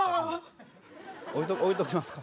置いときますか？